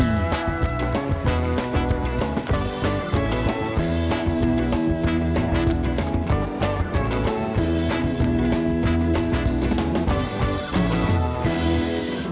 jadi setelah empat hari